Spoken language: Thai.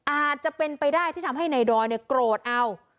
อาจจะเป็นไปได้ที่ทำให้นายดอยโกรธเอา